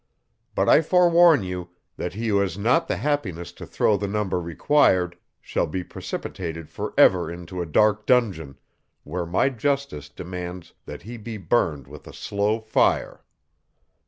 But, I forewarn you, that he who has not the happiness to throw the number required, shall be precipitated for ever into a dark dungeon, where my justice demands that he be burned with a slow fire.